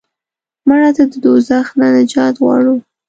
مړه ته د دوزخ نه نجات غواړو